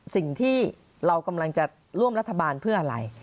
สิ่งที่เรากำลังจะร่วมรัฐบาลเพื่ออะไร